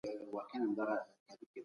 خدای د انسان د نېکمرغۍ لامل ګڼل کیږي.